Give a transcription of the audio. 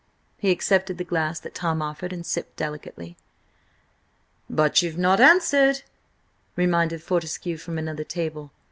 He accepted the glass that Tom offered, and sipped delicately. "But you've not answered!" reminded Fortescue from another table.